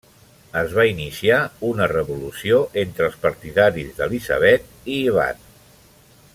Es va iniciar una revolució entre els partidaris d'Elisabet i Ivan.